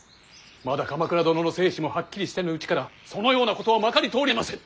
まだ鎌倉殿の生死もはっきりせぬうちからそのようなことはまかり通りませぬ。